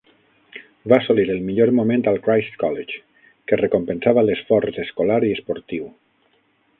Va assolir el millor moment al Christ College, que recompensava l'esforç escolar i esportiu.